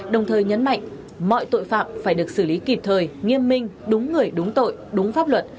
đồng thời nhấn mạnh mọi tội phạm phải được xử lý kịp thời nghiêm minh đúng người đúng tội đúng pháp luật